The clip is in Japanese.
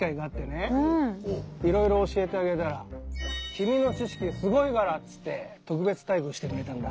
いろいろ教えてあげたら君の知識すごいからっつって特別待遇してくれたんだ。